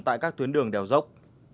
tại các tuyến đường đèo dốc